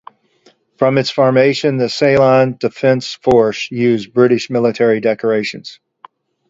From its formation the Ceylon Defence Force used British military decorations.